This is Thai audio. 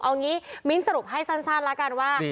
เอางี้มิ้นท์สรุปให้สั้นแล้วกันว่า